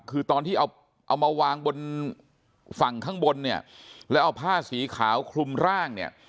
คือตอนที่เอาเอามาวางบนฝั่งข้างบนเนี่ยแล้วเอาผ้าสีขาวคลุมร่างเนี่ย